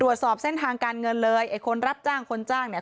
ตรวจสอบเส้นทางการเงินเลยไอ้คนรับจ้างคนจ้างเนี่ย